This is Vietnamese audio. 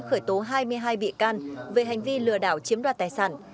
khởi tố hai mươi hai bị can về hành vi lừa đảo chiếm đoạt tài sản